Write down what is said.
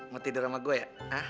mau tidur sama gue ya